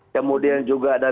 kemudian juga ada bicara